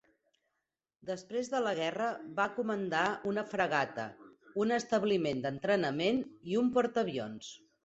Després de la Guerra va comandar una fragata, un establiment d'entrenament i un portaavions.